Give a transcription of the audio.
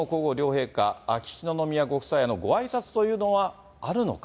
それから天皇皇后両陛下、秋篠宮ご夫妻へのごあいさつというのはあるのか。